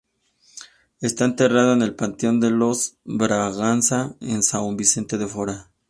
Está enterrado en el Panteón de los Braganza, en São Vicente de Fora.